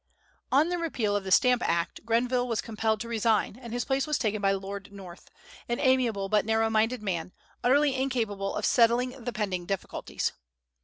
On the repeal of the Stamp Act, Grenville was compelled to resign, and his place was taken by Lord North, an amiable but narrow minded man, utterly incapable of settling the pending difficulties.